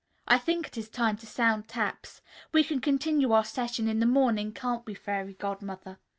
"I think it is time to sound taps. We can continue our session in the morning, can't we, Fairy Godmother?"